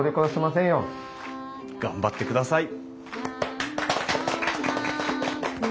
頑張ってください。